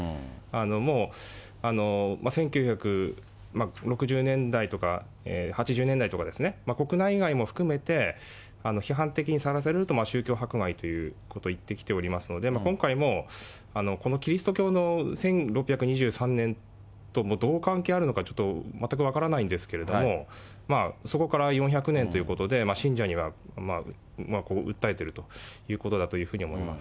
もう、１９６０年代とか、８０年代とか、国内外も含めて、批判的にさらされると、宗教迫害ということ言ってきておりますので、今回もこのキリスト教の１６２３年とどう関係あるのか、全く分からないんですけれども、そこから４００年ということで、信者には訴えているということだというふうに思います。